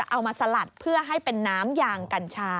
เอามาสลัดเพื่อให้เป็นน้ำยางกัญชา